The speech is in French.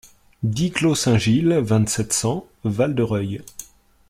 dix clos Saint-Gilles, vingt-sept, cent, Val-de-Reuil